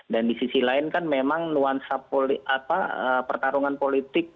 dan di sisi lain kan memang nuansa pertarungan politik